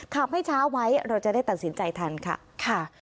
ขับให้ช้าไว้เราจะได้ตัดสินใจทันค่ะ